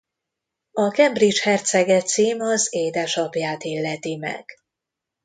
A Cambridge hercege cím az édesapját illeti meg.